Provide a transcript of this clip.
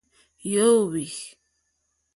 Yǒhwì.